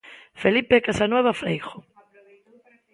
Felipe Casanueva Freijo.